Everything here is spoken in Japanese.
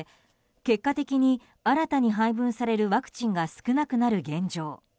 結果的に新たに配分されるワクチンが少なくなる現状。